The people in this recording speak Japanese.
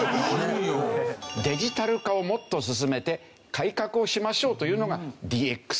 デジタル化をもっと進めて改革をしましょうというのがＤＸ。